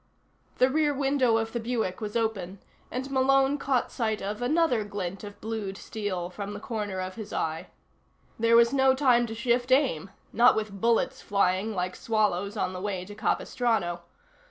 The rear window of the Buick was open, and Malone caught sight of another glint of blued steel from the corner of his eye. There was no time to shift aim not with bullets flying like swallows on the way to Capistrano.